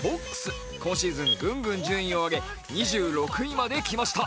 今シーズン、ぐんぐん順位を上げ、１６位まできました。